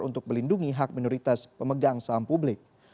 untuk melindungi hak minoritas pemegang saham publik